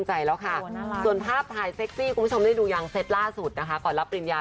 มาประสุทธิ์หน้าสุดนะคะก่อนรับปริญญา